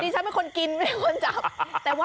นี่ฉันเป็นคนกินเป็นคนจับ